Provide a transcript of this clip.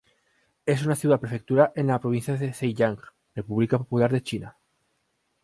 Es una ciudad-prefectura en la provincia de Zhejiang, República Popular de China.